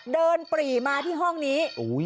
เดินปรีมาที่ห้องนี้